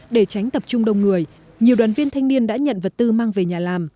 để tránh tập trung đông người nhiều đoàn viên thanh niên đã nhận vật tư mang về nhà làm